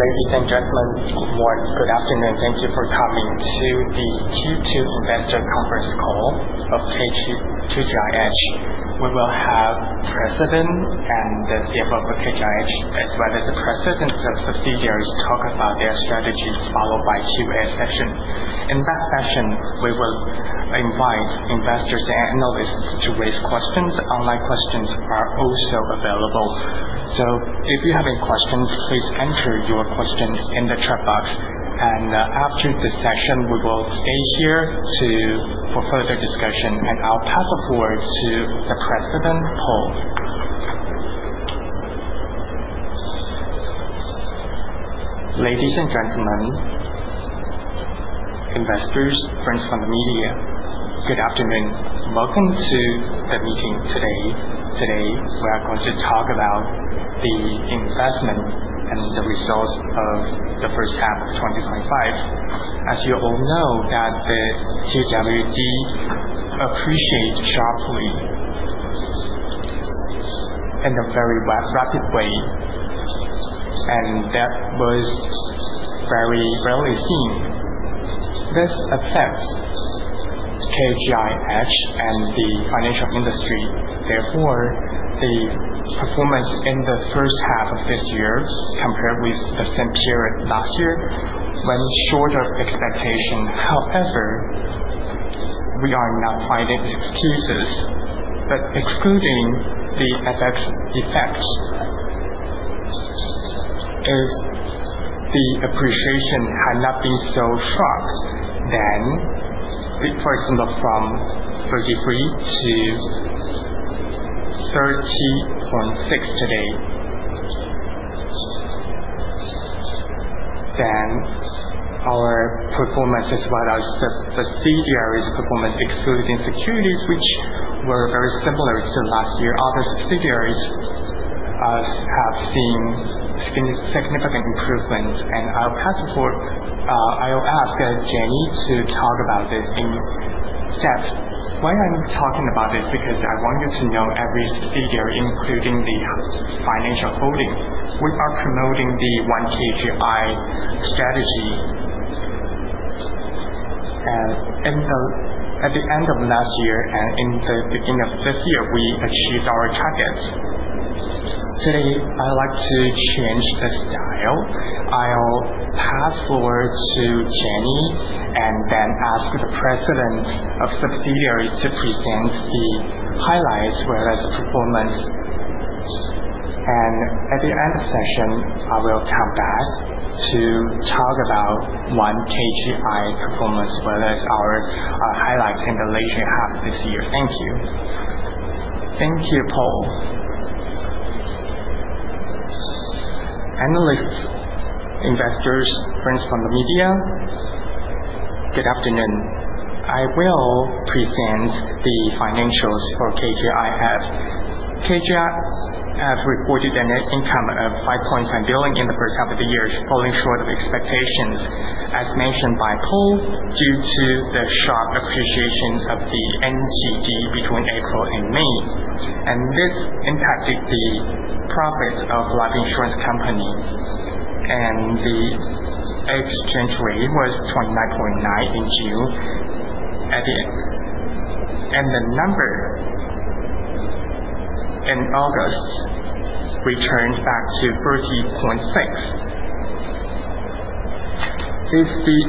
Ladies and gentlemen, good morning. Good afternoon. Thank you for coming to the Q2 investor conference call of KGIFH. We will have President and the CFO of KGIFH, as well as the presidents of subsidiaries talk about their strategies, followed by Q&A session. In that session, we will invite investors and analysts to raise questions. Online questions are also available. If you have any questions, please enter your question in the chat box. After this session, we will stay here for further discussion. I'll pass forward to the President, Paul. Ladies and gentlemen, investors, friends from the media, good afternoon. Welcome to the meeting today. Today, we are going to talk about the investment and the results of the first half of 2025. As you all know that the NTD appreciate sharply in a very rapid way, that was very rarely seen. This affects KGIFH and the financial industry. Therefore, the performance in the first half of this year compared with the same period last year ran shorter expectation. However, we are not finding excuses, but excluding the FX effects. If the appreciation had not been so sharp, then we personal from 33 to 30.6 today. Then our performance as well as the subsidiaries performance, excluding securities which were very similar to last year. Other subsidiaries have seen significant improvement. I'll ask Jenny to talk about this in depth. Why I'm talking about this, because I want you to know every subsidiary, including the financial holding. We are promoting the One KGI strategy. At the end of last year and in the beginning of this year, we achieved our targets. Today, I'd like to change the style. I'll pass forward to Jenny and then ask the presidents of subsidiaries to present the highlights, as well as the performance. At the end of session, I will come back to talk about One KGI performance, as well as our highlights in the later half of this year. Thank you. Thank you, Paul. Analysts, investors, friends from the media, good afternoon. I will present the financials for KGIFH. KGIFH has reported a net income of 5.9 billion in the first half of the year, falling short of expectations, as mentioned by Paul, due to the sharp appreciation of the NTD between April and May. This impacted the profits of life insurance companies. The exchange rate was 29.9 in June at the end. The number in August returned back to 30.6. If we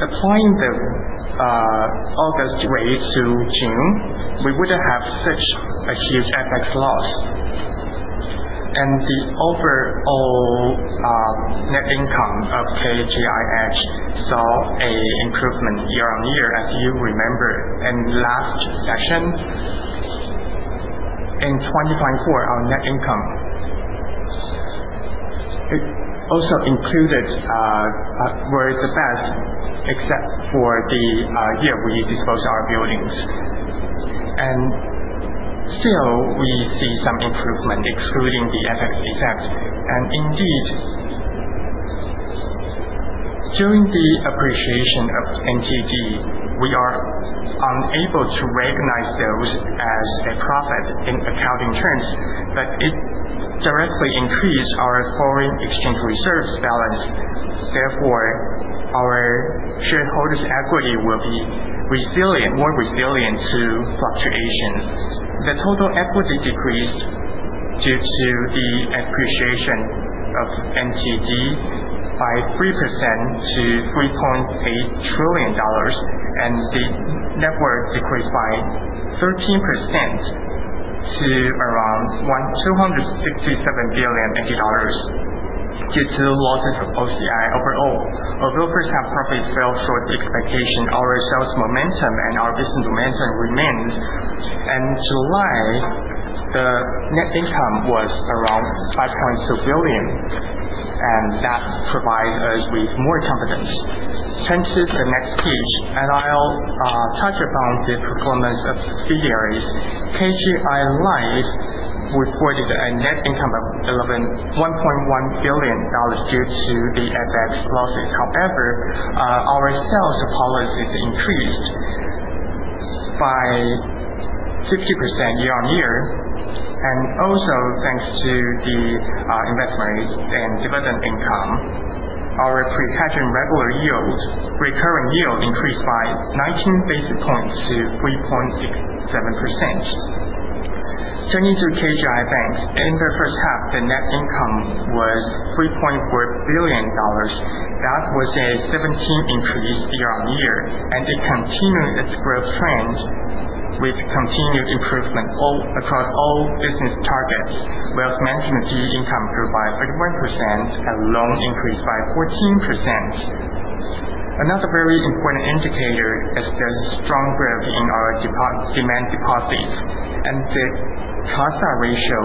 apply the August rate to June, we wouldn't have such a huge FX loss. The overall net income of KGIFH saw a improvement year-over-year, as you remember in last session. In 2024, our net income, it also included where is the best except for the year we disposed our buildings. Still, we see some improvement excluding the FX effect. Indeed, during the appreciation of NTD, we are unable to recognize those as a profit in accounting terms, but it directly increased our foreign exchange reserves balance. Therefore, our shareholders' equity will be more resilient to fluctuations. The total equity decreased due to the appreciation of NTD by 3% to 3.8 trillion dollars. The net worth decreased by 13% to around 267 billion dollars due to losses of OCI overall. Although first half profit fell short the expectation, our sales momentum and our business momentum remains. In July, the net income was around 5.2 billion, that provides us with more confidence. Turn to the next page, I will touch upon the performance of subsidiaries. KGI Life reported a net income of 1.1 billion dollars due to the FX losses. However, our sales policies increased by 50% year-on-year, also thanks to the investment and dividend income, our pre-hedging recurring yield increased by 19 basis points to 3.67%. Turning to KGI Bank, in the first half, the net income was 3.4 billion dollars. That was a 17% increase year-on-year, it continued its growth trend with continued improvement across all business targets. Wealth management fee income grew by 31%, loans increased by 14%. Another very important indicator is the strong growth in our demand deposits, the CASA ratio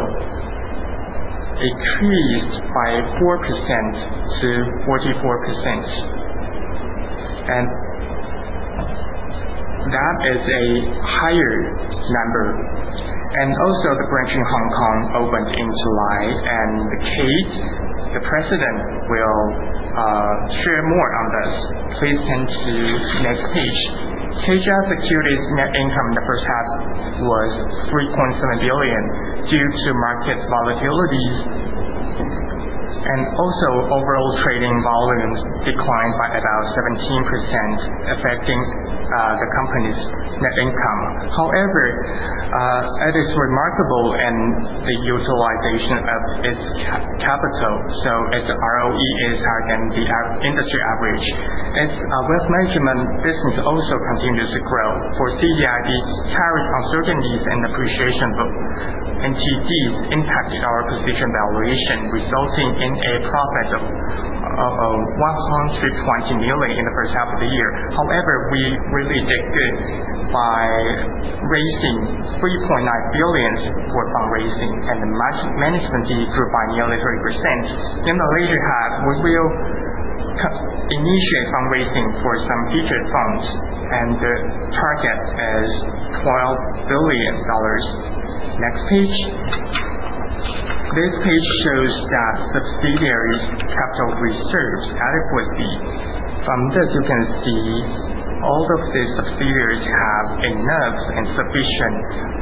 increased by 4% to 44%, that is a higher number. Also the branch in Hong Kong opened in July, the President will share more on this. Please turn to the next page. KGI Securities net income in the first half was 3.7 billion due to market volatility, also overall trading volumes declined by about 17%, affecting the company's net income. However, it is remarkable in the utilization of its capital, so its ROE is higher than the industry average. Its wealth management business also continues to grow. For CDIB, tariff uncertainties and appreciation of NTD impacted our position valuation, resulting in a profit of 120 million in the first half of the year. However, we mitigated this by raising 3.9 billion for fundraising, the management fee grew by nearly 30%. In the latter half, we will initiate fundraising for some featured funds, the target is 12 billion dollars. Next page. This page shows that subsidiaries' capital reserves adequacy. From this, you can see all of the subsidiaries have enough and sufficient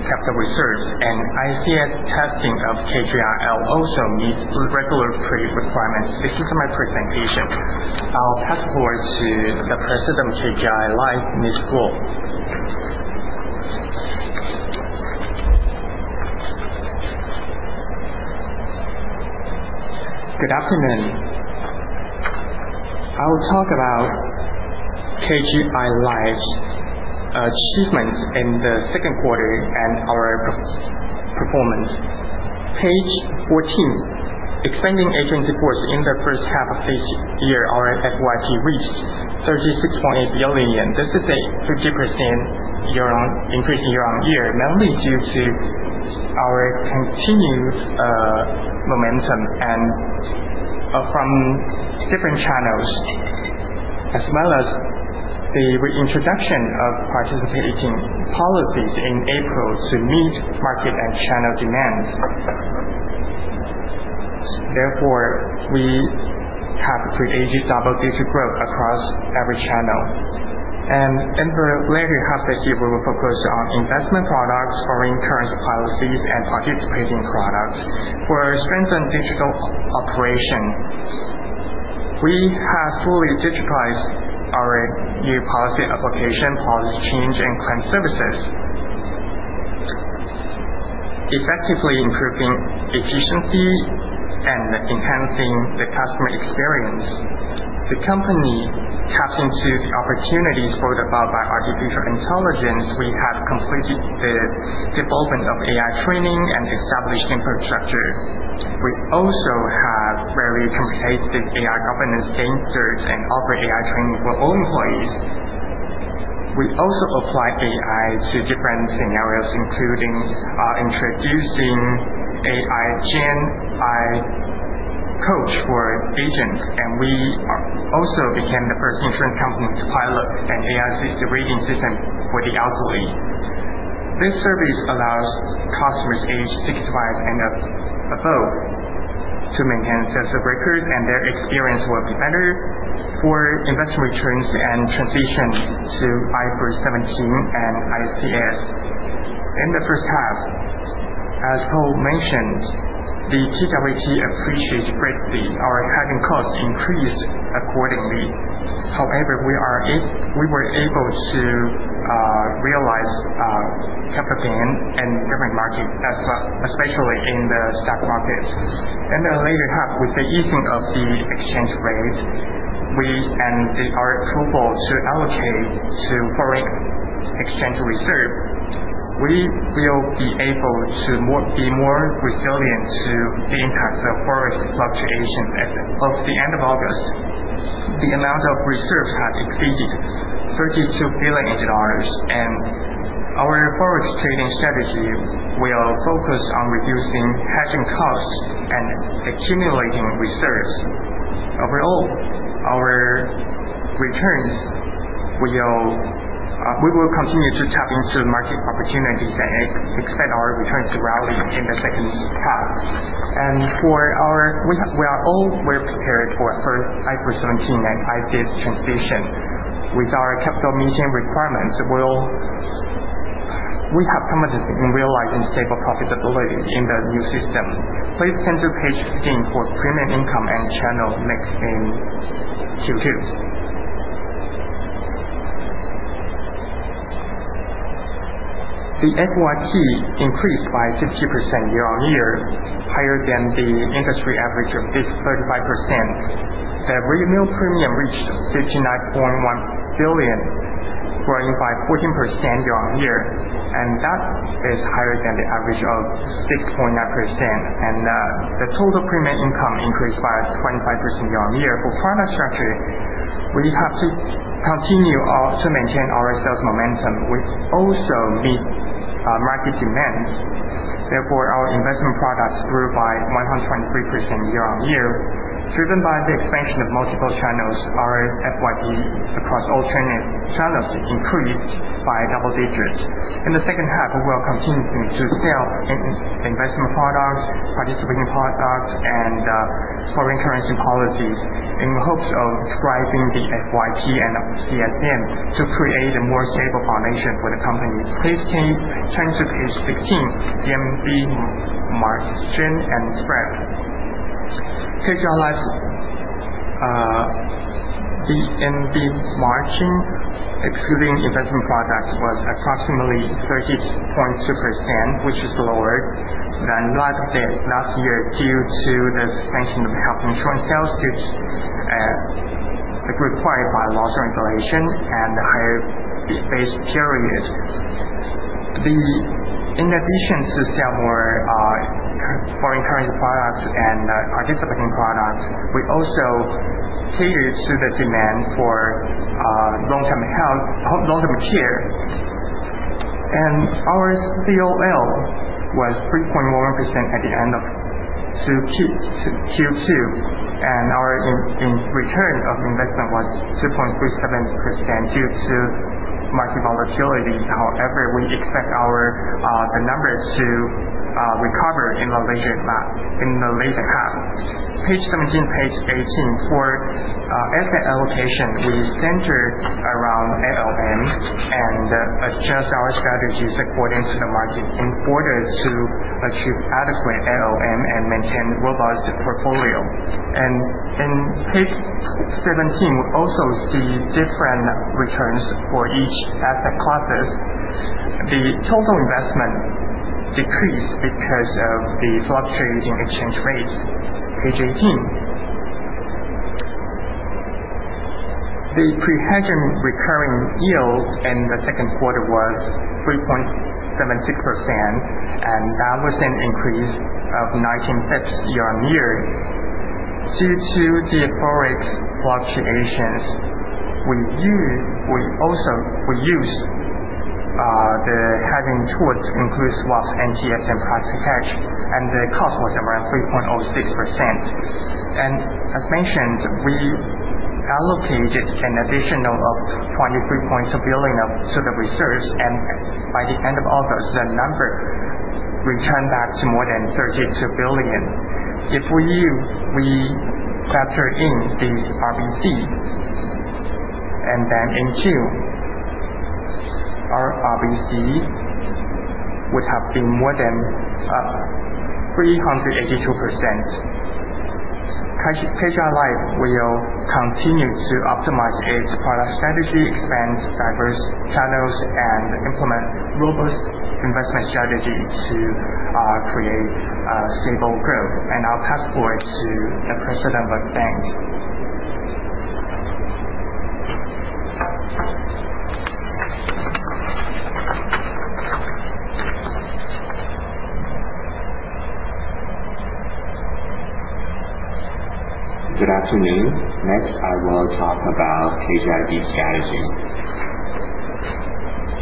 capital reserves, ICS testing of KGI Life also meets regulatory requirements. This is my presentation. I will pass forward to the President of KGI Life, Ms. Wu. Good afternoon. I will talk about KGI Life's achievements in the second quarter and our performance. Page 14. Excluding agency force in the first half of this year, our FYT reached TWD 36.8 billion, this is a 50% increase year-on-year, mainly due to our continued momentum from different channels, as well as the reintroduction of participating policies in April to meet market and channel demands. Therefore, we have created double-digit growth across every channel. In the latter half this year, we will focus on investment products, foreign currency policies, and participating products. For strengthened digital operation, we have fully digitized our new policy application, policy change, and claim services, effectively improving efficiency and enhancing the customer experience. The company taps into the opportunities brought about by artificial intelligence. We have completed the development of AI training and established infrastructures. We also have very competitive AI governance standards and offer AI training for all employees. We also apply AI to different scenarios, including introducing AI Gen, AI Coach for agents, we also became the first insurance company to pilot an AI risk rating system for the elderly. This service allows customers aged 65 and above to maintain access records, their experience will be better for investment returns and transition to IFRS 17 and ICS. In the first half, as Paul mentioned, the TWD appreciated greatly. Our hedging costs increased accordingly. However, we were able to realize capital gain in different markets, especially in the stock markets. In the later half, with the easing of the exchange rate, we and our group should allocate to foreign exchange reserve. We will be able to be more resilient to the impacts of foreign exchange fluctuation. As of the end of August, the amount of reserves had exceeded 32 billion dollars, our forward trading strategy will focus on reducing hedging costs and accumulating reserves. Overall, our returns, we will continue to tap into market opportunities and expect our returns to rally in the second half. We are well prepared for IFRS 17 and ICS transition. With our capital meeting requirements, We have confidence in realizing stable profitability in the new system. Please turn to page 15 for premium income and channel mix in Q2. The FYP increased by 60% year-on-year, higher than the industry average of 35%. The renewal premium reached 39.1 billion, growing by 14% year-on-year, that is higher than the average of 6.9%. The total premium income increased by 25% year-on-year. For product structure, we have to continue to maintain our sales momentum, which also meets market demands. Therefore, our investment products grew by 123% year-on-year, driven by the expansion of multiple channels. Our FYP across all channels increased by double digits. In the second half, we will continue to sell investment products, participating products, and foreign currency policies in hopes of driving the FYP and CSM to create a more stable foundation for the company. Please turn to page 16, VNB margin and spread. KGI Life VNB margin, excluding investment products, was approximately 30.2%, which is lower than last year due to the expansion of health insurance sales, which is required by law regulation and higher base period. In addition to sell more foreign currency products and participating products, we also catered to the demand for long-term care. Our COL was 3.1% at the end of Q2, our return of investment was 2.37% due to market volatility. However, we expect the numbers to recover in the later half. Page 17, page 18. For asset allocation, we center around ALM and adjust our strategies according to the market in order to achieve adequate ALM and maintain robust portfolio. In page 17, we also see different returns for each asset classes. The total investment decreased because of the fluctuating exchange rates. Page 18. The pre-hedge recurring yields in the second quarter was 3.72%, that was an increase of 19 basis points year-on-year. Due to the ForEx fluctuations, we also used the hedging tools to include swaps and FX price hedge, the cost was around 3.06%. As mentioned, we allocated an additional of 23.2 billion to the reserves, by the end of August, the number returned back to more than 32 billion. If we factor in the RBC, then in June, our RBC would have been more than 382%. KGI Life will continue to optimize its product strategy, expand diverse channels, and implement robust investment strategy to create stable growth. I'll pass forward to the President of Bank. Good afternoon. Next, I will talk about KGI strategy.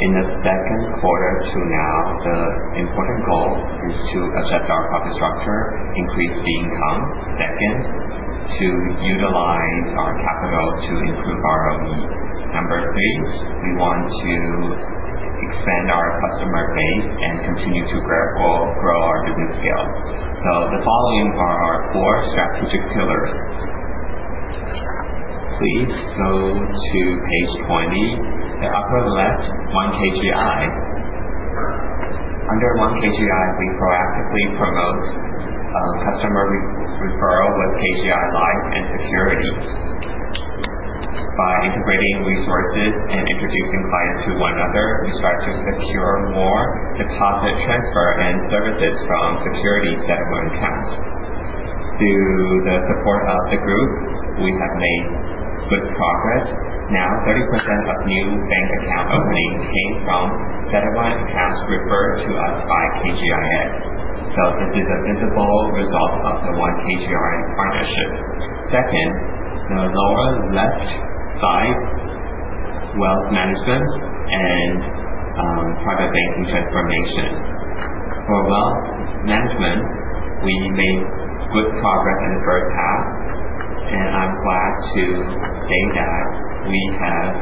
In the second quarter to now, the important goal is to adjust our profit structure, increase the income. Second, to utilize our capital to improve our own number base. We want to expand our customer base and continue to grow our business scale. The following are our four strategic pillars. Please go to page 20. The upper left, One KGI. Under One KGI, we proactively promote customer referral with KGI Life and KGI Securities. By integrating resources and introducing clients to one another, we start to secure more deposit transfer and services from KGI Securities' settlement accounts. Through the support of the group, we have made good progress. Now, 30% of new bank account openings came from settlement accounts referred to us by KGI Securities. This is a visible result of the One KGI partnership. Second, the lower left side, wealth management and private banking transformation. For wealth management, we made good progress in the first half. I am glad to say that we have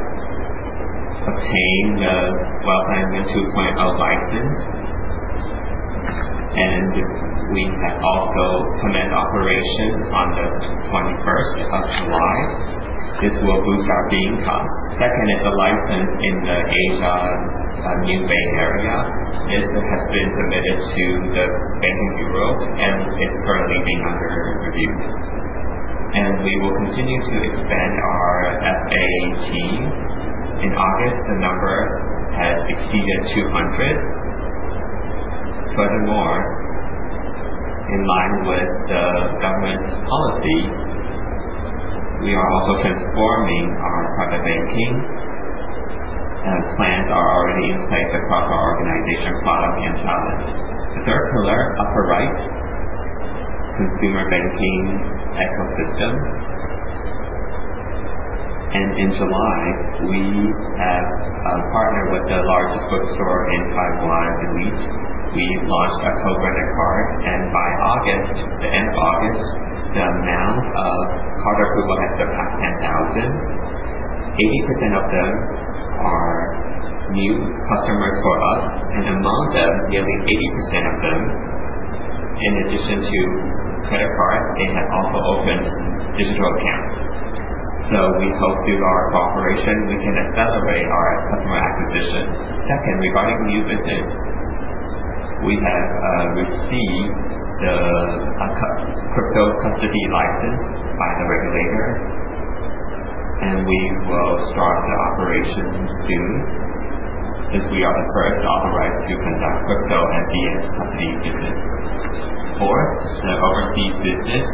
obtained the Wealth Management 2.0 license. We have also commenced operations on July 21. This will boost our fee income. Second is the license in the Asia New Bay Area. It has been submitted to the Banking Bureau, and it is currently being under review. We will continue to expand our FA team. In August, the number has exceeded 200. Furthermore, in line with the government's policy, we are also transforming our private banking, and plans are already in place across our organization, product, and talent. The third pillar, upper right, consumer banking ecosystem. In July, we have partnered with the largest bookstore in Taiwan, Eslite. We launched a co-branded card. By the end of August, the amount of card approval has surpassed 10,000. 80% of them are new customers for us. Among them, nearly 80% of them, in addition to credit cards, they have also opened digital accounts. We hope through our cooperation, we can accelerate our customer acquisition. Second, regarding new business, we have received the crypto custody license by the regulator. We will start the operation soon, since we are the first authorized to conduct crypto asset custody business. Fourth, the overseas business.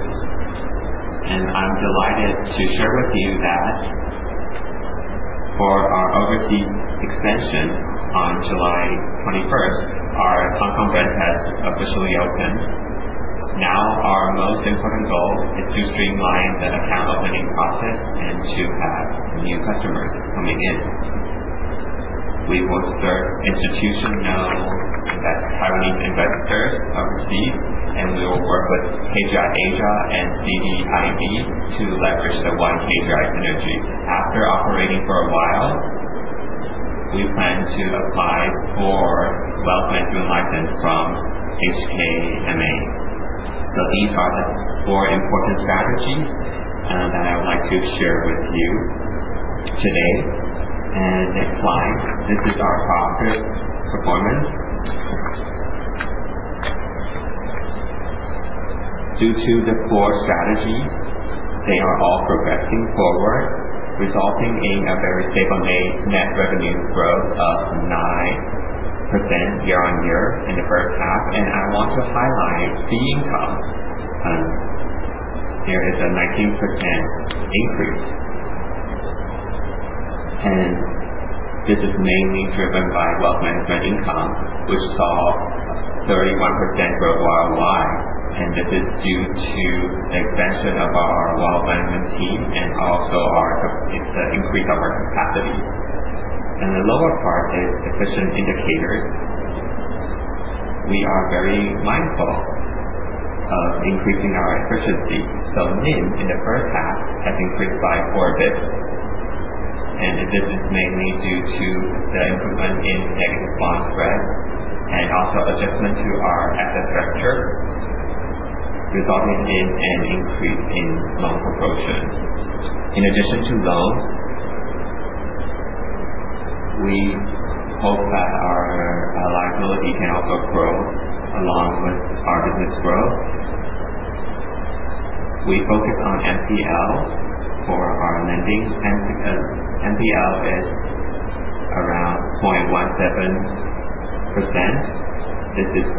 I am delighted to share with you that for our overseas expansion on July 21, our Hong Kong branch has officially opened. Now our most important goal is to streamline the account opening process and to have new customers coming in. We will serve institutional Taiwanese investors overseas. We will work with KGI Asia Limited and CDIB to leverage the One KGI synergy. After operating for a while, we plan to apply for wealth management license from HKMA. These are the four important strategies that I would like to share with you today. Next slide. This is our profit performance. Due to the four strategies, they are all progressing forward, resulting in a very stable net revenue growth of 9% year-on-year in the first half. I want to highlight fee income. There is a 19% increase. This is mainly driven by wealth management income, which saw 31% growth YoY, and this is due to expansion of our wealth management team and also the increase of our capacity. In the lower part is efficiency indicators. We are very mindful of increasing our efficiency. NIM in the first half has increased by four bps, and this is mainly due to the improvement in net bond spread and also adjustment to our asset structure, resulting in an increase in loan proportion. In addition to loans, we hope that our liability can also grow along with our business growth. We focus on NPL for our lending, and because NPL is around 0.17%, this is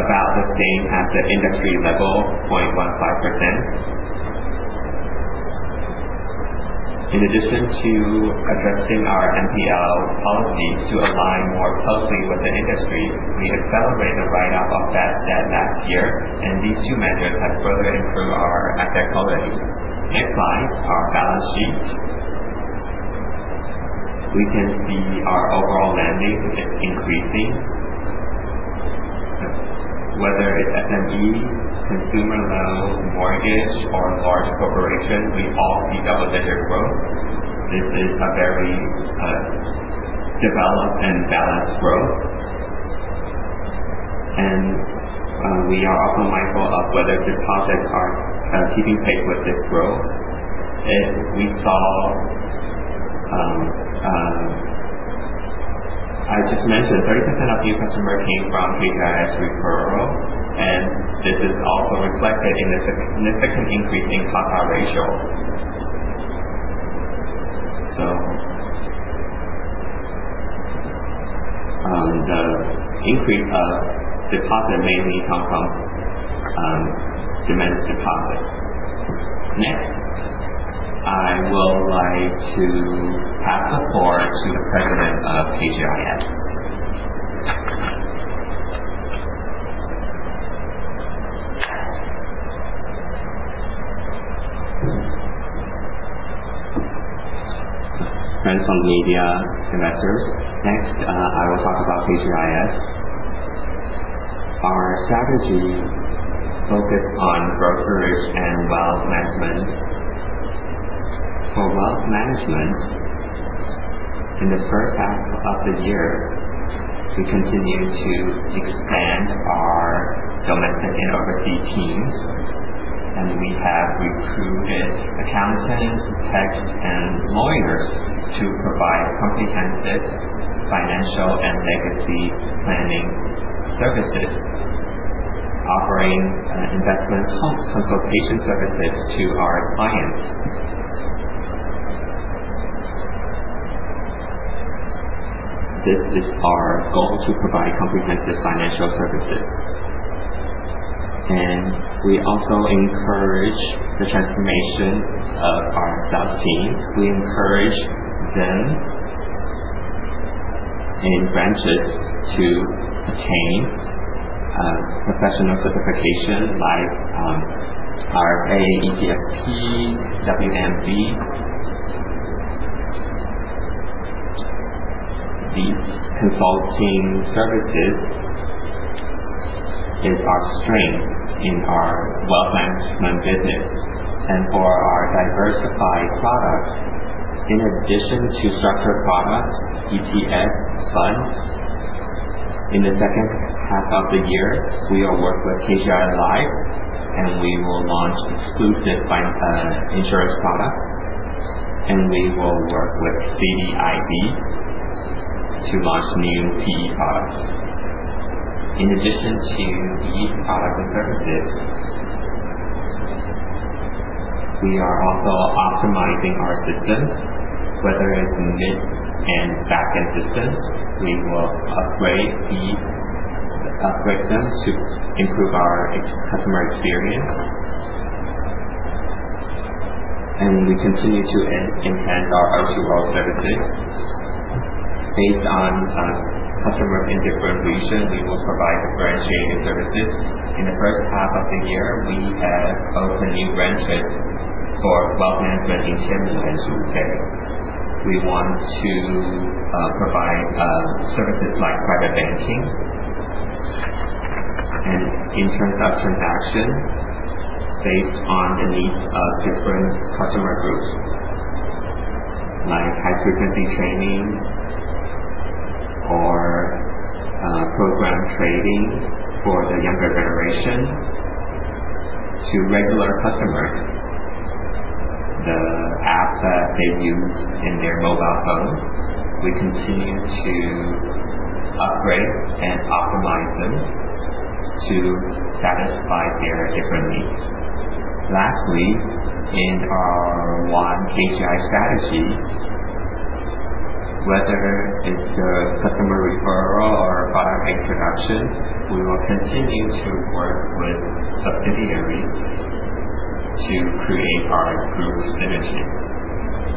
about the same as the industry level, 0.15%. In addition to adjusting our NPL policy to align more closely with the industry, we accelerated the write-off of bad debt last year, and these two measures have further improved our asset quality. Next slide, our balance sheet. We can see our overall lending is increasing. Whether it is SMEs, consumer loans, mortgage, or large corporations, we all see double-digit growth. This is a very developed and balanced growth. We are also mindful of whether deposits are keeping pace with this growth. I just mentioned 30% of new customer came from KGI's referral, and this is also reflected in the significant increase in CASA ratio. Next, I will like to pass the floor to the President of KGI Securities. Friends from the media, investors. Next, I will talk about KGI Securities. Our strategy focus on brokerages and wealth management. For wealth management, in the first half of the year, we continue to expand our domestic and overseas teams, and we have recruited accountants, techs, and lawyers to provide comprehensive financial and legacy planning services, offering investment consultation services to our clients. This is our goal: to provide comprehensive financial services. And we also encourage the transformation of our sales teams. We encourage them in branches to attain professional certification like our AFP, WMP. These consulting services is our strength in our wealth management business. And for our diversified products, in addition to structured products, ETFs, funds, in the second half of the year, we will work with KGI Life, and we will launch exclusive insurance products, and we will work with CDIB to launch new PE products. In addition to these products and services, we are also optimizing our systems, whether it is mid- and backend systems. We will upgrade them to improve our customer experience. And we continue to enhance our R2R services. Based on customer in different region, we will provide differentiated services. In the first half of the year, we have opened new branches for wealth management in Tianmu and Zhubei. We want to provide services like private banking and in terms of transaction based on the needs of different customer groups, like high-frequency trading or program trading for the younger generation to regular customers. The apps that they use in their mobile phones, we continue to upgrade and optimize them to satisfy their different needs. Lastly, in our One KGI strategy, whether it is the customer referral or product introduction, we will continue to work with subsidiaries to create our group synergy.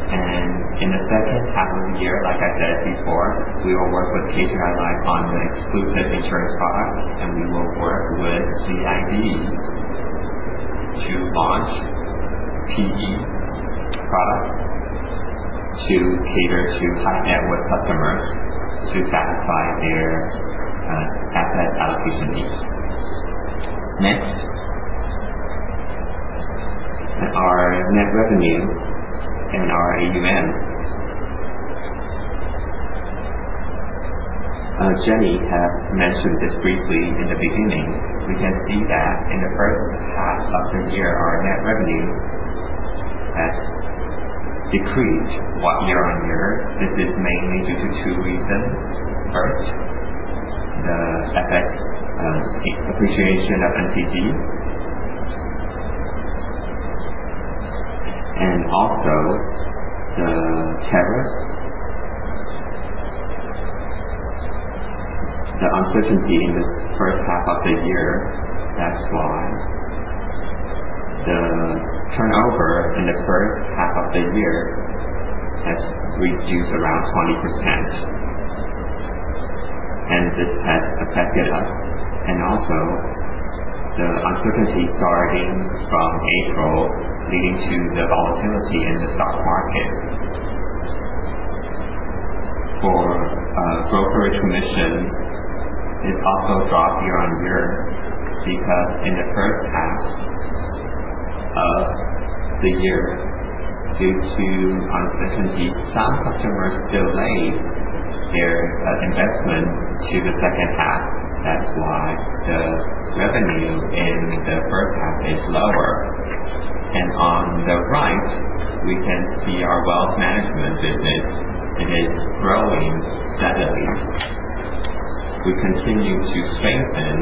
And in the second half of the year, like I said before, we will work with KGI Life on the exclusive insurance product, and we will work with CDIB to launch PE product to cater to high-net-worth customers to satisfy their asset allocation needs. Next. Our net revenue and our AUM. Jenny have mentioned this briefly in the beginning. We can see that in the first half of the year, our net revenue has decreased year-on-year. This is mainly due to two reasons. First, the FX depreciation of NTD, and also the tariff, the uncertainty in the first half of the year. That is why the turnover in the first half of the year has reduced around 20%, and this has affected us. The uncertainty starting from April leading to the volatility in the stock market. For brokerage commission, it also dropped year-on-year because in the first half of the year, due to uncertainty, some customers delayed their investment to the second half. That is why the revenue in the first half is lower. On the right, we can see our wealth management business, it is growing steadily. We continue to strengthen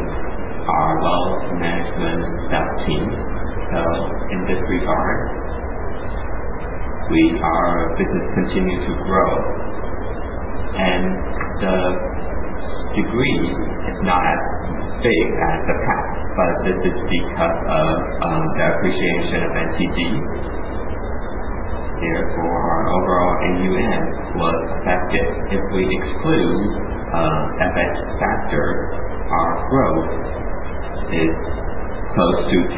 our wealth management sales team. In this regard, our business continue to grow and the degree is not as big as the past, but this is because of the appreciation of NTD. Therefore, our overall AUM was affected. If we exclude FX factor, our growth is close to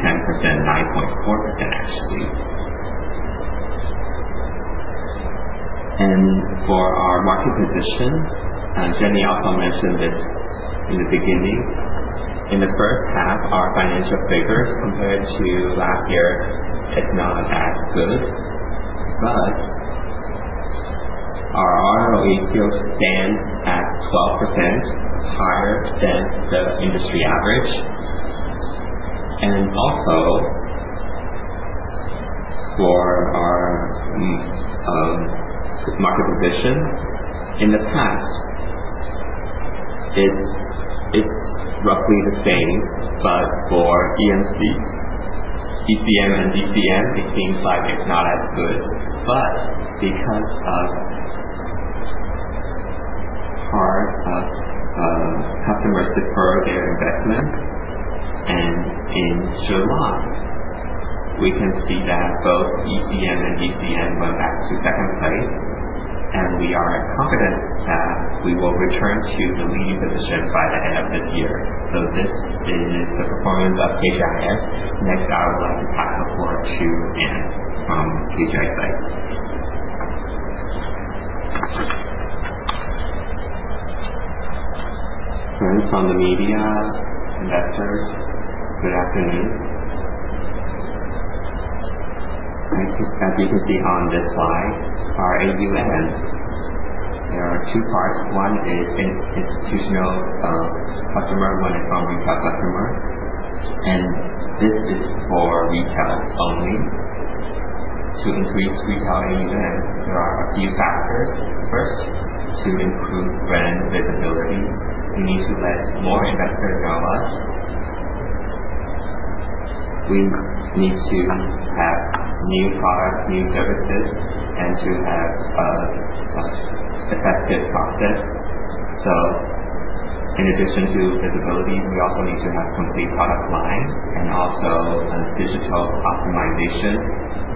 10%, 9.4% actually. For our market position, Jenny also mentioned this in the beginning. In the first half, our financial figures compared to last year is not as good, but our ROE still stands at 12%, higher than the industry average. For our market position, in the past, it is roughly the same, but for ECM and DCM, it seems it is not as good. Because of part of customers defer their investments, in July, we can see that both ECM and DCM went back to second place, and we are confident that we will return to the leading position by the end of this year. This is the performance of KGI. Next, I would like to pass the floor to Ann from KGI Bank. Friends from the media, investors, good afternoon. As you can see on this slide, our AUM, there are two parts. One is institutional customer, one is owned by customer, this is for retail only. To increase retail AUM, there are a few factors. First, to improve brand visibility, we need to let more investors know us. We need to have new products, new services, to have a much effective process. In addition to visibility, we also need to have complete product line and also a digital optimization.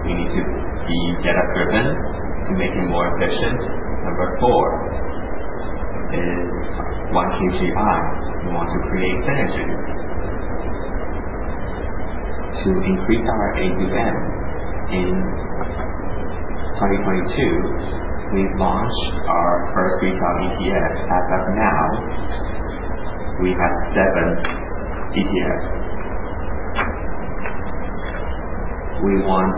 We need to be data-driven to make it more efficient. Number four is One KGI. We want to create synergy. To increase our AUM, in 2022, we launched our first retail ETF. As of now, we have seven ETFs. We want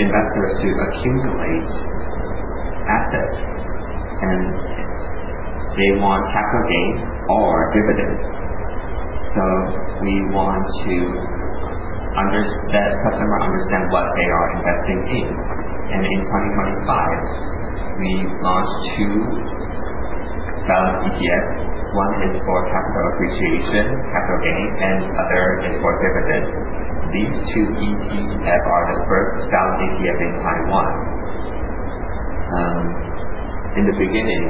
investors to accumulate assets, they want capital gains or dividends. We want let customers understand what they are investing in. In 2025, we launched two style ETFs. One is for capital appreciation, capital gain, the other is for dividends. These two ETFs are the first style ETFs in Taiwan. In the beginning,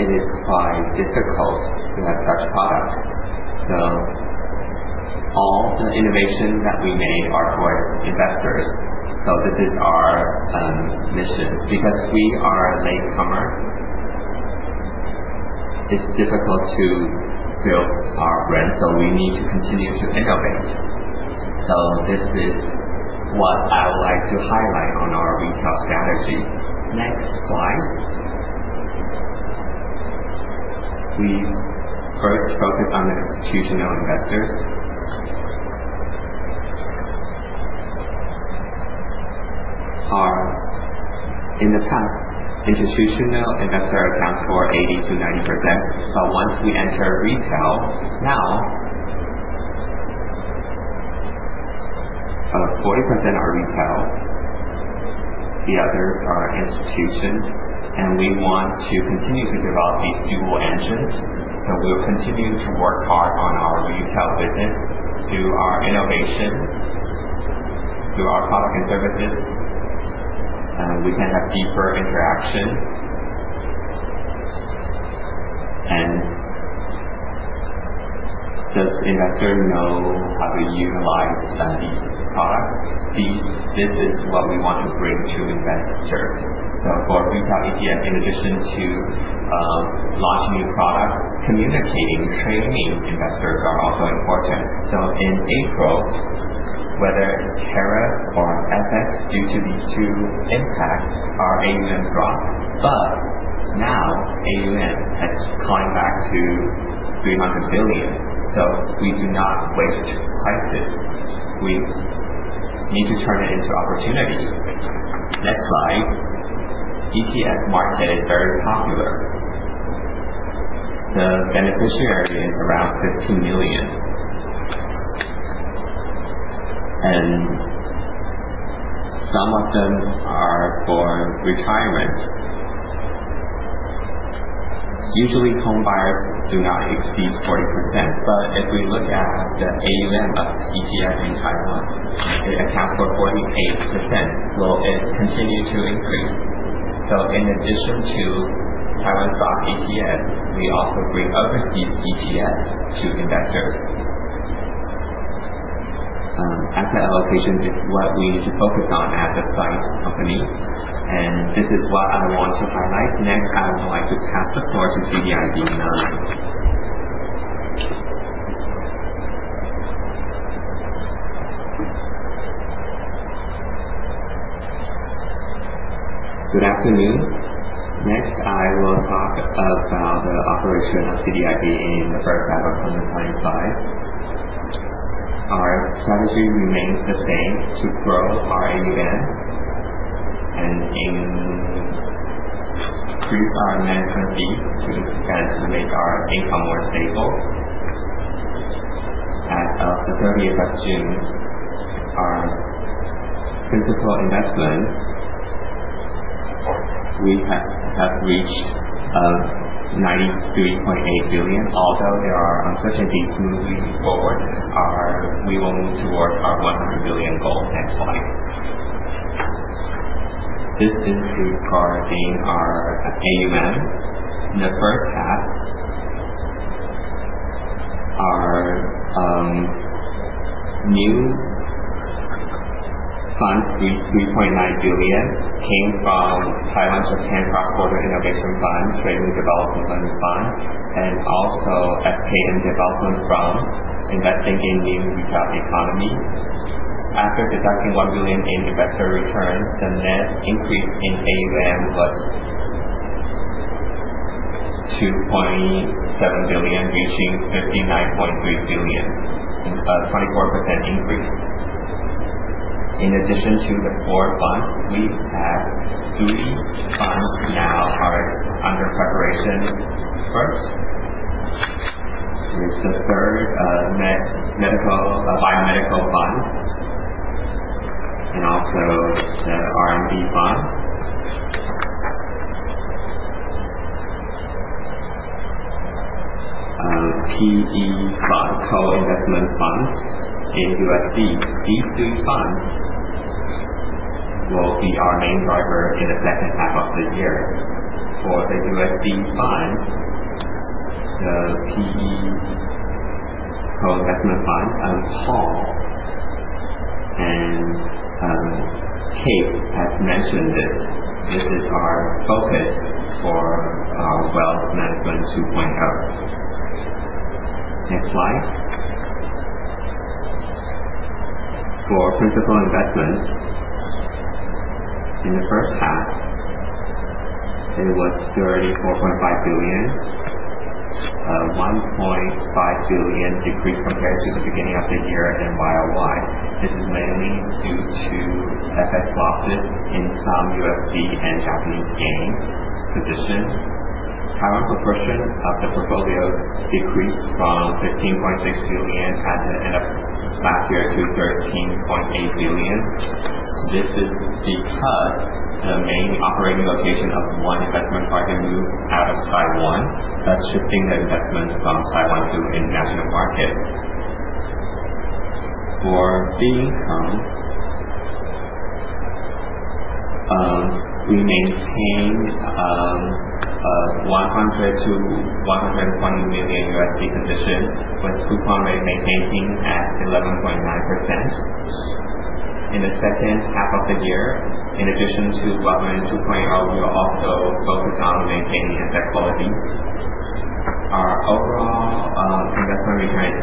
it is quite difficult to have such products. All the innovations that we made are for investors. This is our mission. We are a latecomer, it is difficult to build our brand. We need to continue to innovate. This is what I would like to highlight on our retail strategy. Next slide. We first focus on the institutional investors. In the past, institutional investor accounts for 80%-90%. Once we enter retail, now 40% are retail, the others are institution. We want to continue to develop these dual engines. We will continue to work hard on our retail business through our innovation, through our products and services. We can have deeper interaction, the investor know how to utilize some of these products. This is what we want to bring to investors. For retail ETF, in addition to launch new product, communicating, training investors are also important. In April, whether it is tariff or FX, due to these two impacts, our AUM dropped. Now AUM has climbed back to 300 billion. We do not wait for crisis. We need to turn it into opportunities. Next slide. ETF market is very popular. The beneficiary is around 15 million. Some of them are for retirement. Usually, home buyers do not exceed 40%. If we look at the AUM of ETF in Taiwan, they account for 48%. Will it continue to increase? In addition to Taiwan stock ETFs, we also bring overseas ETFs to investors. Asset allocation is what we need to focus on as a fund company. This is what I want to highlight. Next, I would like to pass the floor to CDIB now. Good afternoon. Next, I will talk about the operation of CDIB in the first half of 2025. Our strategy remains the same: to grow our AUM, increase our management fee to expand to make our income more stable. As of June 30, our principal investment, we have reached 93.8 billion. Although there are uncertainties, moving forward, we will move towards our 100 billion goal. Next slide. This includes our AUM. In the first half, our new funds, 3.9 billion, came from Taiwan Japan Cross-Border Innovation Fund, Taiwan Development Fund, FK and development fund investing in new retail economy. After deducting 1 billion in investor returns, the net increase in AUM was 2.7 billion, reaching 59.3 billion, a 24% increase. In addition to the four funds, we have three funds now under preparation. First, with the third biomedical fund, the RMB fund, PE fund, co-investment fund in USD. These two funds will be our main driver in the second half of the year. For the USD fund, the PE co-investment fund, as Paul and Kate have mentioned this is our focus for our Wealth Management 2.0. Next slide. For principal investments, in the first half, it was 34.5 billion, a 1.5 billion decrease compared to the beginning of the year and year-over-year. This is mainly due to FX losses in some USD and JPY positions. Taiwan proportion of the portfolios decreased from 15.6 billion at the end of last year to 13.8 billion. This is because the main operating location of one investment target moved out of Taiwan, thus shifting the investment from Taiwan to international market. For fee income, we maintain $100 million-$120 million USD position with coupon rate maintaining at 11.9%. In the second half of the year, in addition to Wealth Management 2.0, we will also focus on maintaining asset quality. Our overall current investment return is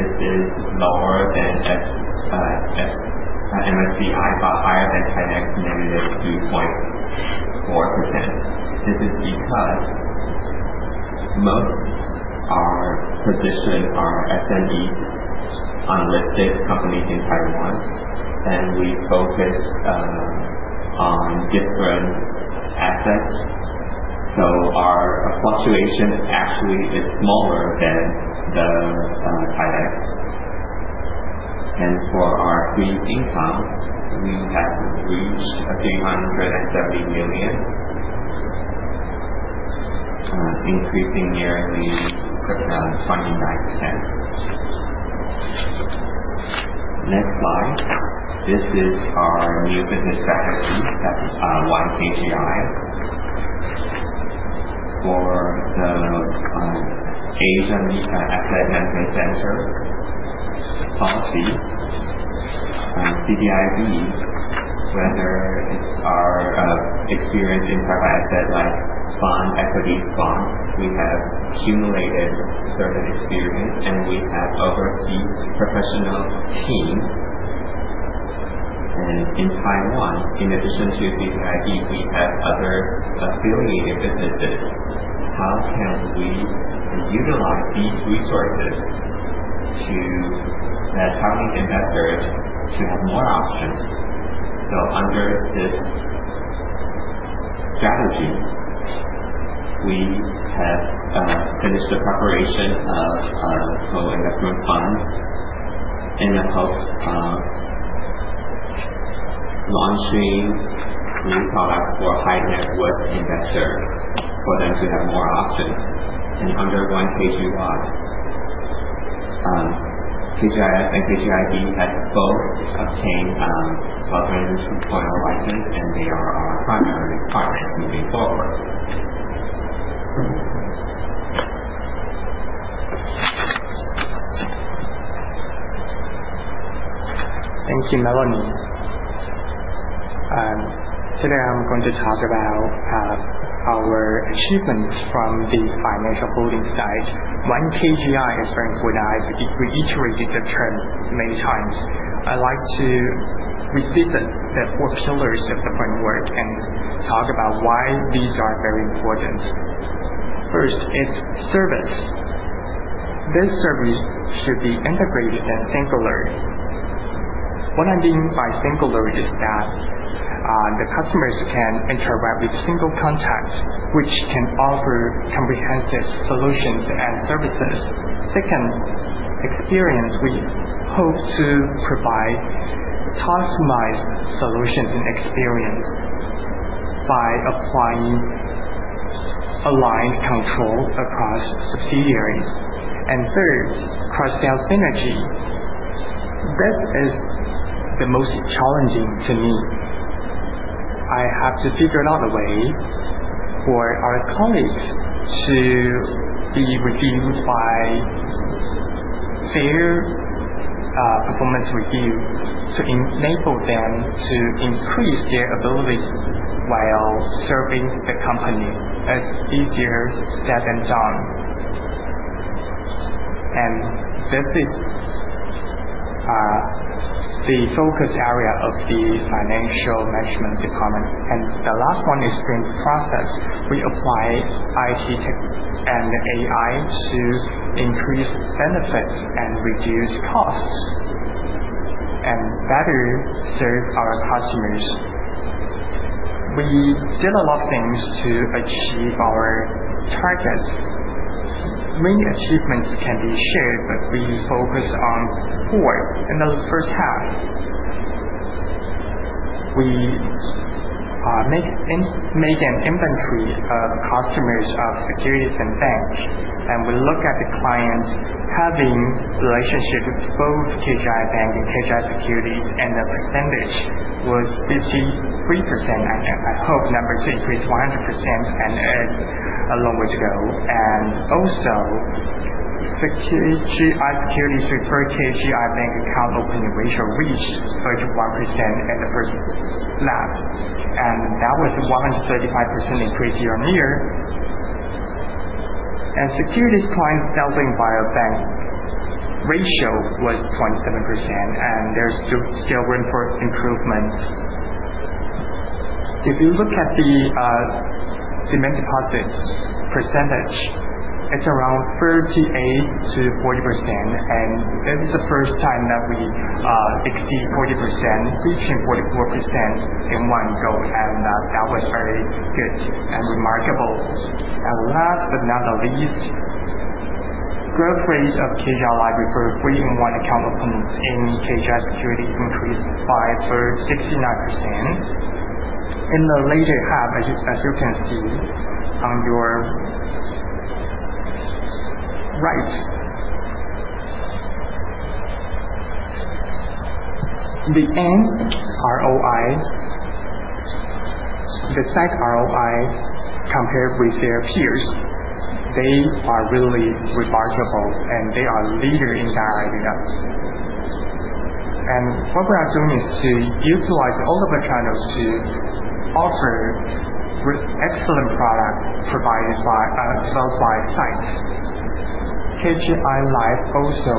1.8%. This is lower than MSCI, but higher than TAIEX, negative 2.4%. This is because most our positions are SMEs, unlisted companies in Taiwan, and we focus on different assets. Our fluctuation actually is smaller than the TAIEX. For our fee income, we have reached TWD 370 million, increasing yearly 29%. Next slide. This is our new business strategy at One KGI. For the Asian Asset Management Center policy, CDIB, whether it's our experience in private asset like fund, equity fund, we have accumulated certain experience, and we have overseas professional team. In Taiwan, in addition to CDIB, we have other affiliated businesses. How can we utilize these resources to let family investors to have more options? Under this strategy, we have finished the preparation of a co-investment fund in the hope of launching new product for high-net-worth investor, for them to have more options. Under One KGI Financial and KGIB have both obtained Wealth Management 2.0 license, and they are our primary project moving forward. Thank you, Melanie. Today I'm going to talk about our achievements from the financial holding side. One KGI is framed for that. We iterated the term many times. I'd like to revisit the four pillars of the framework and talk about why these are very important. First is service. This service should be integrated and singular. What I mean by singular is that the customers can interact with a single contact, which can offer comprehensive solutions and services. Second, experience. We hope to provide customized solutions and experience by applying aligned control across subsidiaries. Third, cross-sale synergy. This is the most challenging to me. I have to figure out a way for our colleagues to be reviewed by fair performance review to enable them to increase their ability while serving the company. It's easier said than done, and this is the focus area of the financial measurement department. The last one is process. We apply IT tech and AI to increase benefits and reduce costs, and better serve our customers. We did a lot of things to achieve our targets. Many achievements can be shared, but we focus on four. In the first half, we made an inventory of customers of securities and banks, and we look at the clients having relationships with both KGI Bank and KGI Securities, and the percentage was 53%. I hope the number to increase 100% and it's a long way to go. Also, KGI Securities referred KGI Bank account opening ratio reached 31% in the first half, and that was a 135% increase year-on-year. Securities clients dealt via bank ratio was 27%, and there's still room for improvement. If you look at the demand deposits percentage, it's around 38%-40%, it was the first time that we exceed 40%, reaching 44% in one go, that was very good and remarkable. Last but not the least, growth rate of KGI Life referred three-in-one account openings in KGI Securities increased by 69%. In the later half, as you can see on your right, the NROI, the tech ROI compared with their peers, they are really remarkable, and they are leader in that area. What we are doing is to utilize all of the channels to offer excellent products provided by us, sold by sites. KGI Life also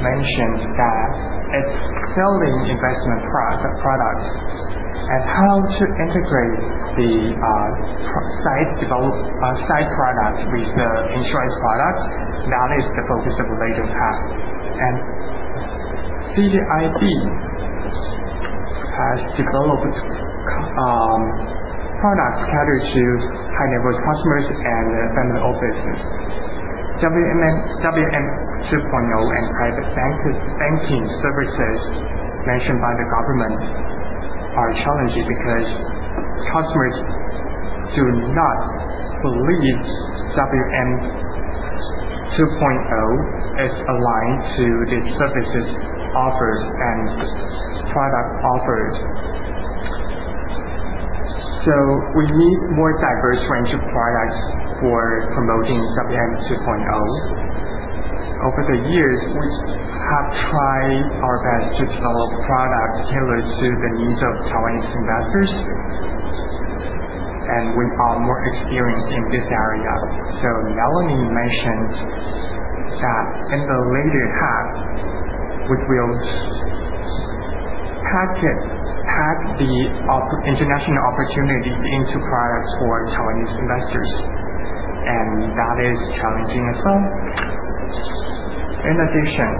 mentioned that it's selling investment products, and how to integrate the site product with the insurance product now is the focus of the later half. KGIB has developed products catered to high-net-worth customers and family office. WM2.0 and private banking services mentioned by the government are challenging because customers do not believe WM2.0 is aligned to the services offered and product offered. We need a more diverse range of products for promoting WM2.0. Over the years, we have tried our best to develop products tailored to the needs of Taiwanese investors, and we are more experienced in this area. Ya-Ling mentioned that in the later half, we will pack the international opportunities into products for Taiwanese investors, and that is challenging as well. In addition,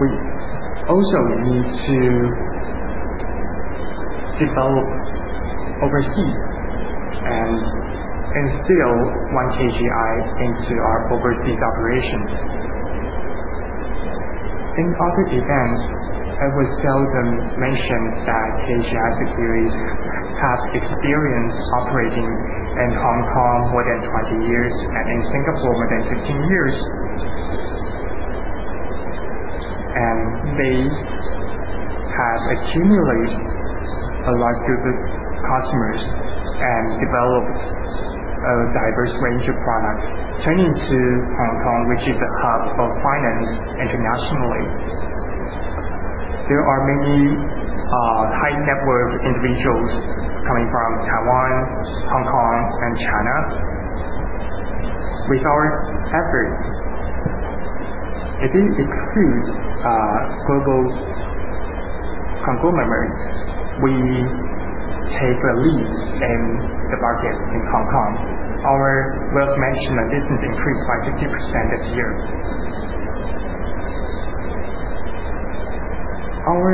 we also need to develop overseas and instill One KGI into our overseas operations. In public events, I would seldom mention that KGI Securities has experience operating in Hong Kong more than 20 years and in Singapore more than 15 years, and they have accumulated a lot of good customers and developed a diverse range of products turning to Hong Kong, which is the hub of finance internationally. There are many high-net-worth individuals coming from Taiwan, Hong Kong, and China. With our effort, it didn't exclude global Congo members, we take the lead in the market in Hong Kong. Our wealth management business increased by 50% this year. Our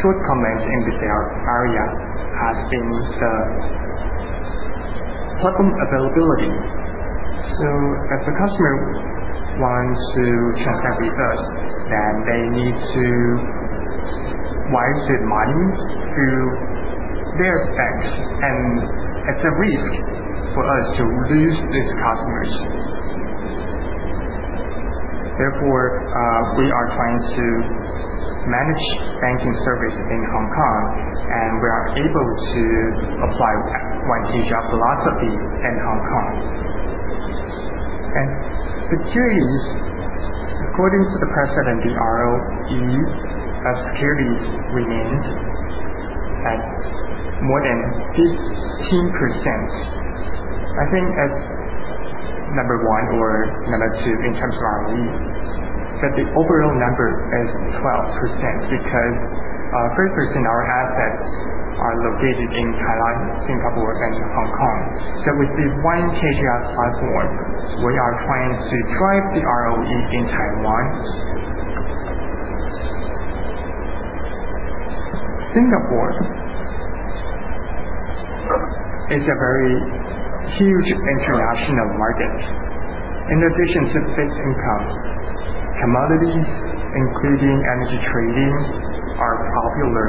short comment in this area has been the platform availability. If the customer wants to transact with us, then they need to wire the money to their banks, and it's a risk for us to lose these customers. Therefore, we are trying to manage banking service in Hong Kong, and we are able to apply One KGI philosophy in Hong Kong. Securities, according to the president, the ROE of securities remains at more than 15%. I think that's number one or number two in terms of ROE, that the overall number is 12%, because 30% of our assets are located in Thailand, Singapore, and Hong Kong. With the One KGI platform, we are trying to drive the ROE in Taiwan. Singapore is a very huge international market. In addition to fixed income, commodities, including energy trading, are popular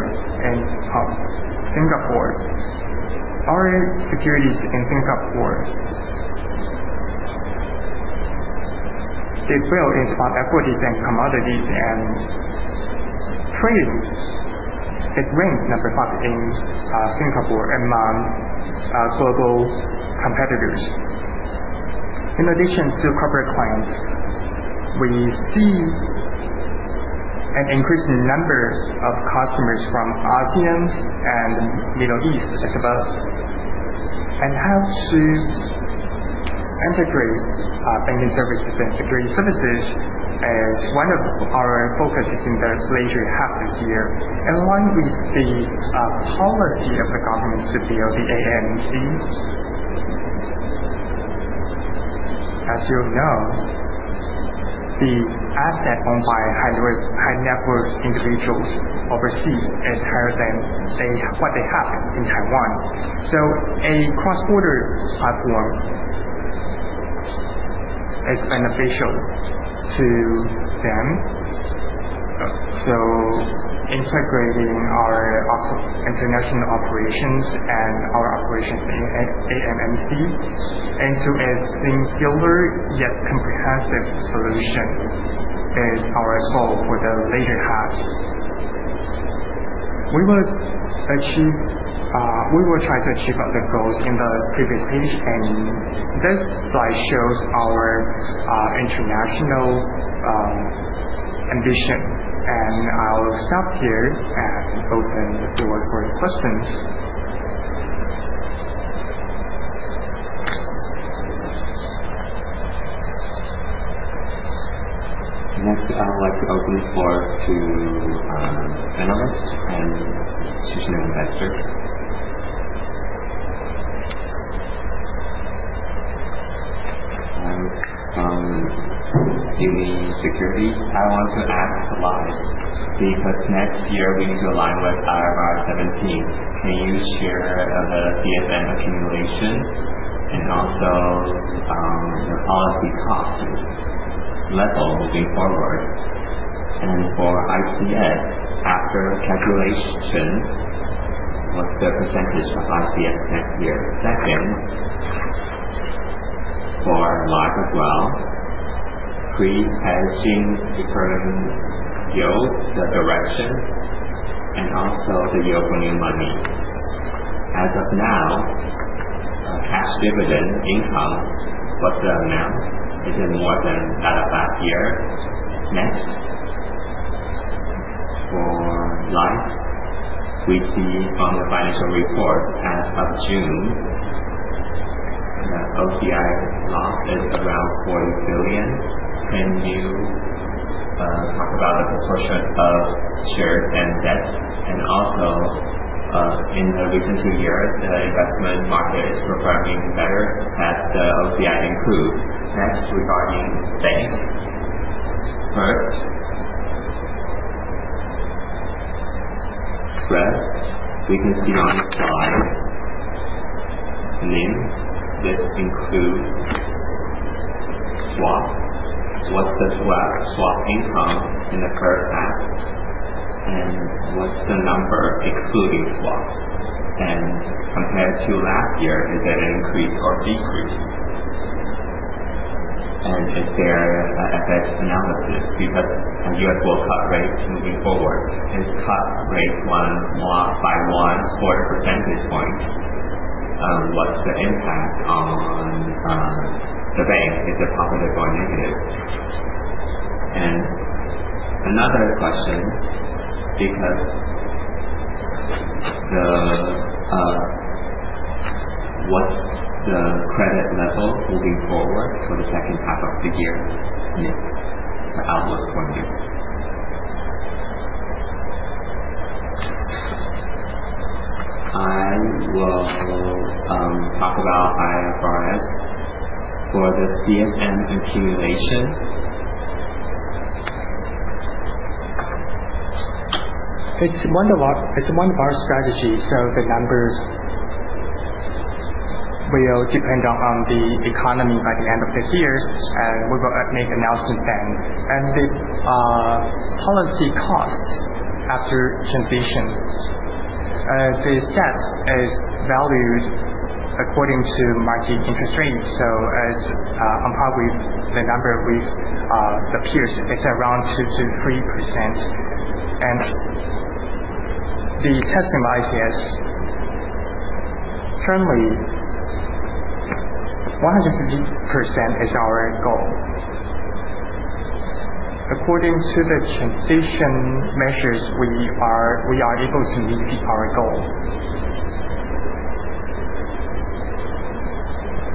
in Singapore. Our securities in Singapore, they trail in both equities and commodities and trades. It ranked number five in Singapore among global competitors. In addition to corporate clients, we see an increase in numbers of customers from ASEAN and Middle East to us, and how to integrate banking services and security services is one of our focuses in the latter half this year. Along with the policy of the government to build the AMCs. As you know, the asset owned by high-net-worth individuals overseas is higher than what they have in Taiwan, so a cross-border platform is beneficial to them. So integrating our international operations and our operations in AAMC into a singular yet comprehensive solution is our goal for the later half. We will try to achieve the goals in the previous page, and I'll stop here and open the floor for questions. I would like to open the floor to analysts and institutional investors. From the securities, I want to ask KGI Life, because next year we need to align with IFRS 17. Can you share the CSM accumulation and also your policy cost level moving forward? For ICS, after calculation, what's the percentage for ICS next year? Second, for KGI Life as well, pre-hedging return yield, the direction, and also the yield for new money. As of now, cash dividend income, what's the amount? Is it more than that of last year? For KGI Life, we see from the financial report as of June, that OCI loss is around 40 billion. Can you talk about the proportion of shares and debts? Also, in the recent two years, the investment market is performing better. Has the OCI improved? Regarding bank. We can see on this slide, NIM, this includes swap. What's the swap income in the current half, and what's the number excluding swap? Compared to last year, is there an increase or decrease? Is there a Fed analysis because the U.S. will cut rates moving forward? If cuts rates by one quarter percentage point, what's the impact on the bank? Is it positive or negative? Another question, what's the credit level moving forward for the second half of the year? The outlook for a year. I will talk about IFRS for the CSM accumulation. It's one of our strategies, so the numbers will depend on the economy by the end of this year, and we will make announcements then. The policy cost after transition. The step is valued according to market interest rates. So as on probably the number of weeks appears, it's around 2%-3%. The testimony is currently 150% is our goal. According to the transition measures, we are able to meet our goal.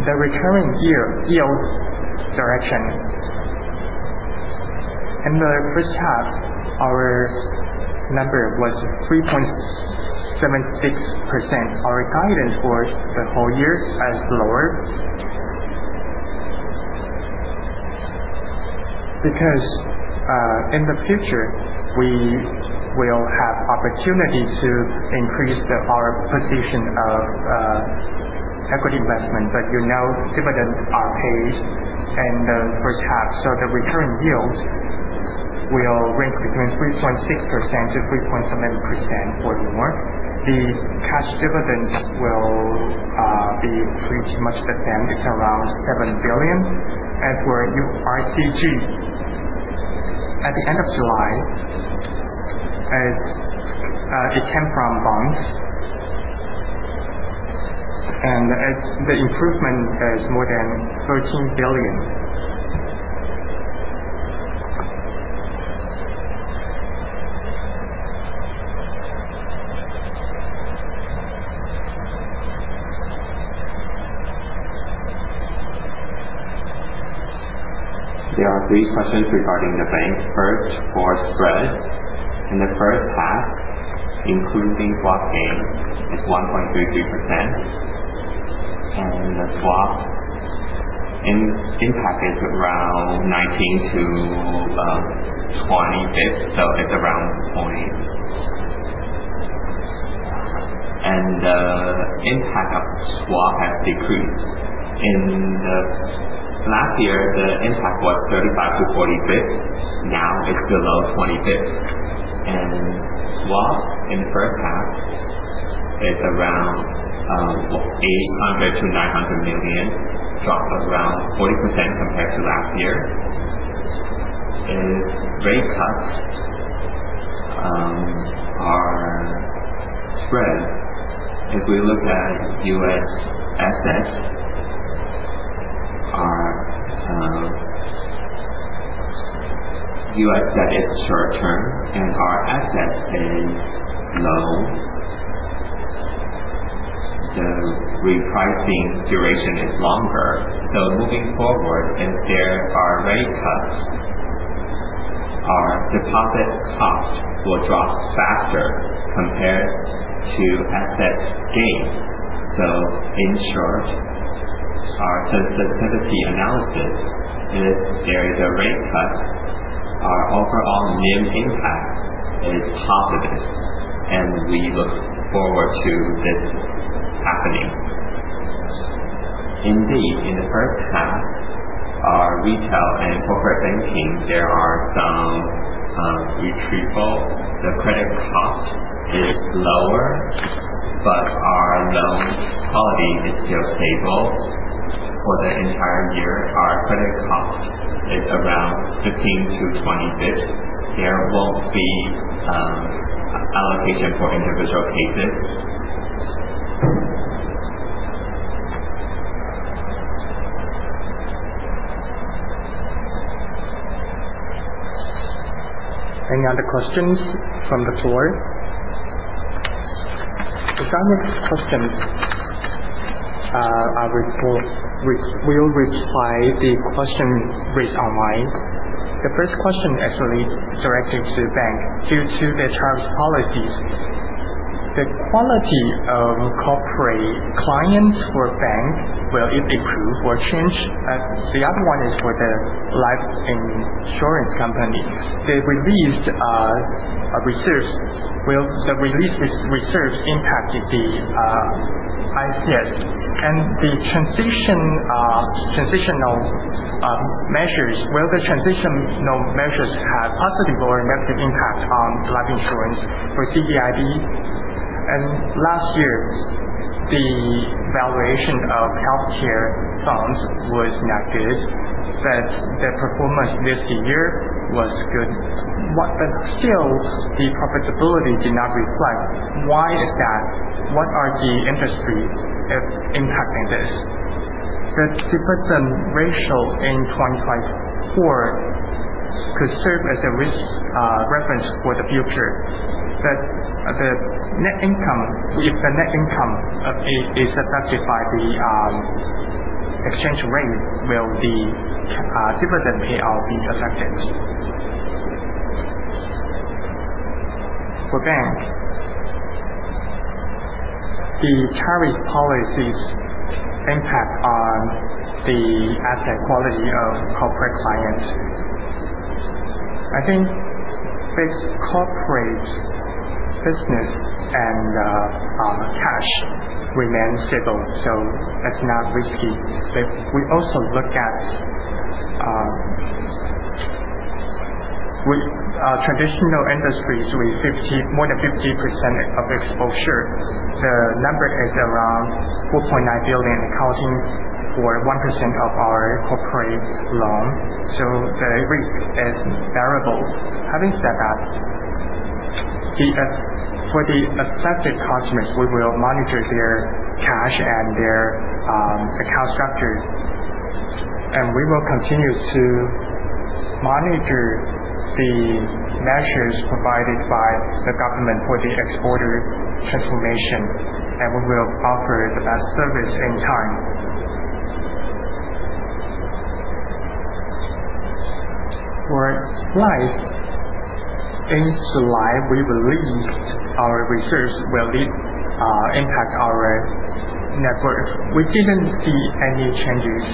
The return yield direction. In the first half, our number was 3.76%. Our guidance for the whole year is lower. Because in the future, we will have opportunity to increase our position of equity investment. But you know, dividends are paid and then for cash. So the return yields will range between 3.6%-3.7% or lower. The cash dividends will be pretty much the same. It's around 7 billion. As for OCI, at the end of July, it came from bonds. The improvement is more than 13 billion. There are three questions regarding the bank. First, for spreads. In the first half, including swap gain, is 1.33%. The swap impact is around 19-20 basis points, so it is around 20. The impact of swap has decreased. Last year, the impact was 35-40 basis points. Now it is below 20 basis points. Swap in the first half is around 800 million-900 million, a drop of around 40% compared to last year. If rate cuts are spread, if we look at U.S. assets, U.S. debt is short-term, and our asset is low. The repricing duration is longer. Moving forward, if there are rate cuts, our deposit cost will drop faster compared to asset gains. In short, our sensitivity analysis, if there is a rate cut, our overall NIM impact is positive. We look forward to this happening. Indeed, in the first half our retail and corporate banking, there are some retrieval. The credit cost is lower, but our loan quality is still stable. For the entire year, our credit cost is around 15-20 basis points. There will not be allocation for individual cases. Any other questions from the floor? If there are no questions, we will reply the question raised online. The first question actually directed to KGI Bank. Due to the charge policies, the quality of corporate clients for KGI Bank, will it improve or change? The other one is for the life insurance company. The released reserves impacted the ICS and the transitional measures. Will the transitional measures have positive or negative impact on life insurance for CDIB? Last year, the valuation of healthcare funds was not good. The performance this year was good. Still, the profitability did not reflect. Why is that? What are the industries impacting this? The dividend ratio in 2024 could serve as a risk reference for the future. If the net income is affected by the exchange rate, will the dividend payout be affected? For bank, the tariff policies impact on the asset quality of corporate clients. I think this corporate business and cash remain stable, so that's not risky. We also look at traditional industries with more than 50% of exposure. The number is around 4.9 billion, accounting for 1% of our corporate loan, so the risk is bearable. Having said that, for the affected customers, we will monitor their cash and their account structures, and we will continue to monitor the measures provided by the government for the exporter transformation, and we will offer the best service in time. For life, in July, we released our reserves will impact our net worth. We didn't see any changes.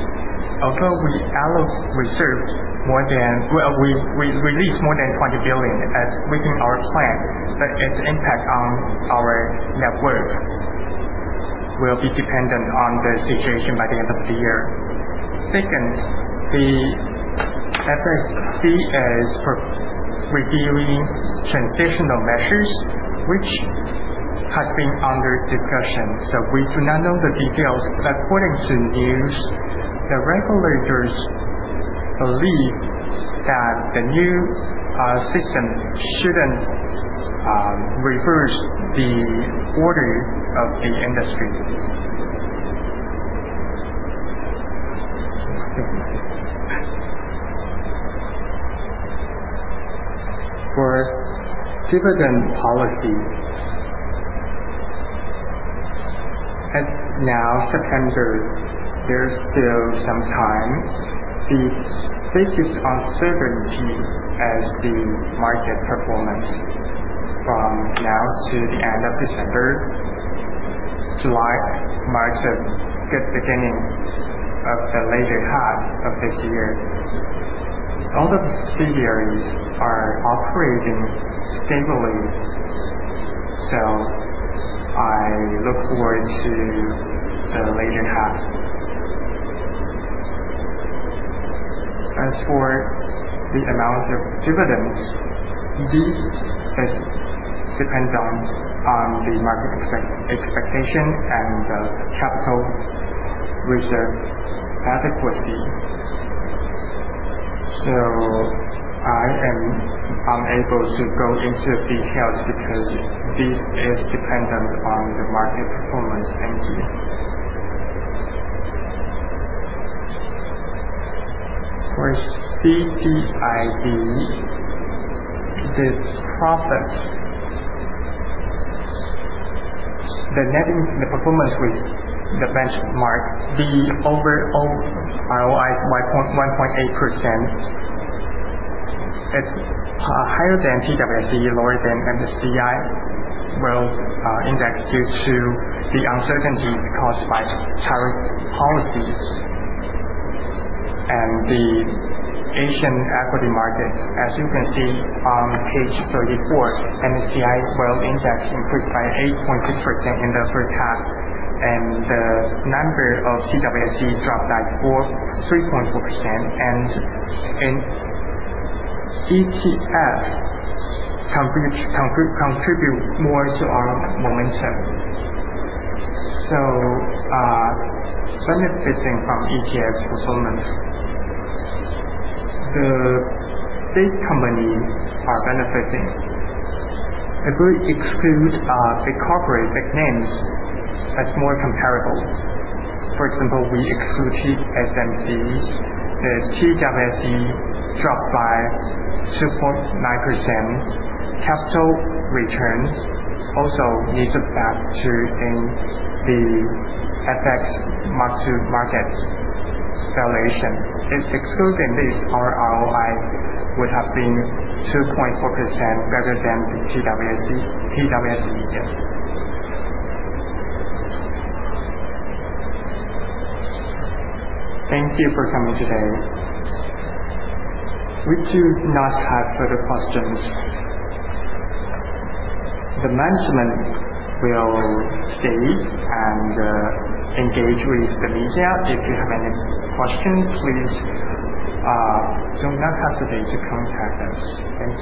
Although we released more than 20 billion as within our plan, but its impact on our net worth will be dependent on the situation by the end of the year. Second, the FSC is reviewing transitional measures, which has been under discussion, we do not know the details. According to news, the regulators believe that the new system shouldn't reverse the order of the industry. For dividend policy, as now, September, there's still some time. The biggest uncertainty is the market performance from now to the end of December. July marks a good beginning of the latter half of this year. All the subsidiaries are operating stably, I look forward to the latter half. As for the amount of dividends, this depends on the market expectation and the capital reserve adequacy. I am unable to go into details because this is dependent on the market performance and needs. For CDIB, the profit, the performance with the benchmark, the overall ROI is 1.8%. It's higher than TAIEX, lower than MSCI World Index due to the uncertainties caused by tariff policies and the Asian equity market. As you can see on page 34, MSCI World Index increased by 8.6% in the first half, the number of TAIEX dropped by 3.4%, ETF contribute more to our momentum. Benefiting from ETF performance, these companies are benefiting. If we exclude the corporate big names, that's more comparable. For example, we exclude TSMC. The TAIEX dropped by 2.9%. Capital returns also impacted by the FX mark-to-market valuation. Excluding this, our ROI would have been 2.4% rather than the TAIEX. Yes. Thank you for coming today. We do not have further questions. The management will stay and engage with the media. If you have any questions, please do not hesitate to contact us. Thank you.